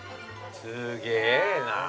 すげえな。